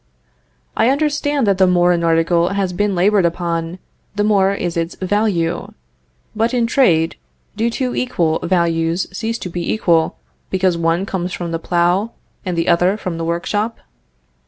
"I understand that the more an article has been labored upon, the more is its value. But in trade, do two equal values cease to be equal, because one comes from the plough, and the other from the workshop?"